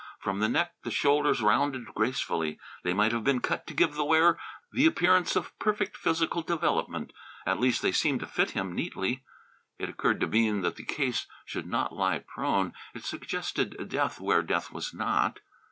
From the neck the shoulders rounded gracefully. They might have been cut to give the wearer the appearance of perfect physical development; at least they seemed to fit him neatly. It occurred to Bean that the case should not lie prone. It suggested death where death was not.